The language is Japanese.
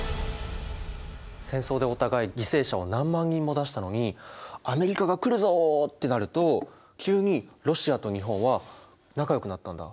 戦争でお互い犠牲者を何万人も出したのに「アメリカが来るぞ」ってなると急にロシアと日本は仲よくなったんだ。